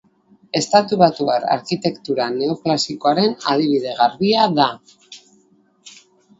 Estatubatuar arkitektura neoklasikoaren adibide garbia da.